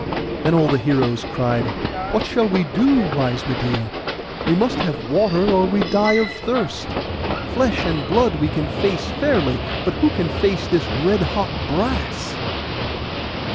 Then all the heroes cried, 'What shall we do, wise Medeia? We must have water, or we die of thirst. Flesh and blood we can face fairly; but who can face this red hot brass?